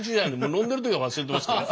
飲んでる時は忘れてますから。